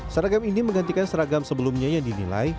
seragam ini menggantikan seragam sebelumnya yang dinilai